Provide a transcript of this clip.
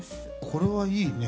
これはいいね。